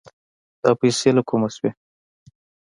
دا پيسې له کومه شوې؟